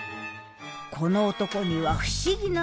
この男には不思議な「能力」が。